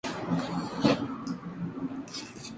Rachel estaba muerta, mas su hermano había sobrevivido.